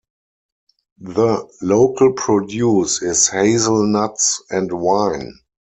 The local produce is hazelnuts and wine.